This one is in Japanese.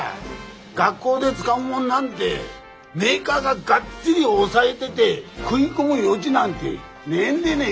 学校で使うもんなんてメーカーががっちり押さえでで食い込む余地なんてねえんでね。